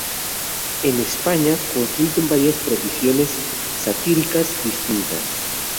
En España confluyen varias tradiciones satíricas distintas.